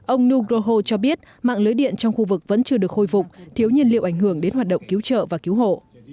ông nugroho cho biết mạng lưới điện trong khu vực vẫn chưa được khôi phục thiếu nhiên liệu ảnh hưởng đến hoạt động cứu trợ và cứu hộ